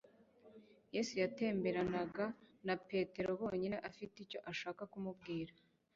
Yesu yatemberanaga na Petero bonyine afite icyo ashaka kumubwira :